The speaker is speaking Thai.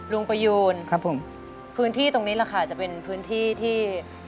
ประยูนครับผมพื้นที่ตรงนี้แหละค่ะจะเป็นพื้นที่ที่